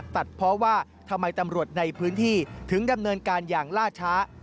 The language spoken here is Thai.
ตัดเพราะว่าทำไมตำรวจในพื้นที่ถึงดำเนินการอย่างล่าช้า